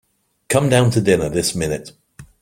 Come down to dinner this minute.